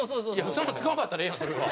使わんかったらええやんそれは。